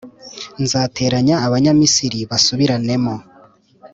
Nzateranya Abanyamisiri basubiranemo,